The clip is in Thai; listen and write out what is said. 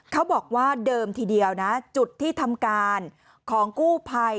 เขาบอกว่าเดิมทีเดียวนะจุดที่ทำการของกู้ภัย